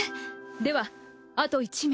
ではあと１名。